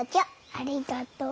ありがとう。